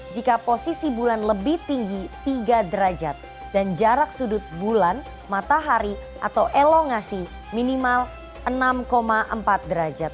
jika posisi bulan lebih tinggi tiga derajat dan jarak sudut bulan matahari atau elongasi minimal enam empat derajat